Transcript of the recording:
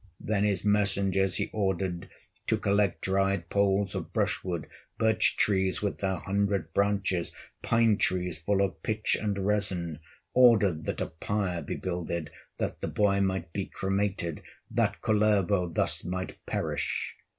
Then his messengers he ordered To collect dried poles of brushwood, Birch trees with their hundred branches, Pine trees full of pitch and resin, Ordered that a pyre be builded, That the boy might be cremated, That Kullervo thus might perish.